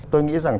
tôi nghĩ rằng